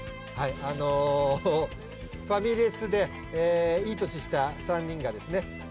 はいファミレスでいい年した３人がですね